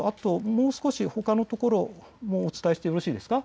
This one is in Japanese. もう少しほかのところもお伝えしてよろしいですか。